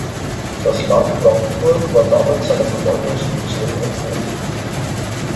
Das Land Brandenburg war damit seiner Verwaltungsfunktionen enthoben.